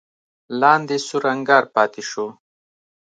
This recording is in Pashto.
لاندې سور انګار پاتې شو.